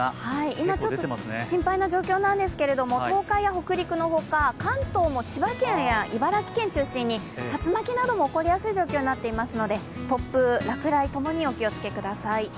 今ちょっと心配な状況なんですけれども、東海や北陸のほか、関東も千葉県や茨城県を中心に竜巻なども起こりやすい状況になっていますので、突風、落雷ともにお気をつけください。